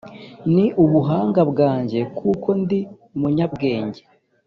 ni ubuhanga bwanjye kuko ndi umunyabwenge.